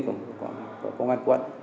của công an quận